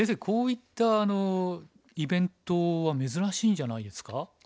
こういったイベントは珍しいんじゃないですか？